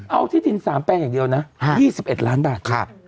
เอาที่ดิน๓แปลงอย่างเดียวนะ๒๑ล้านบาท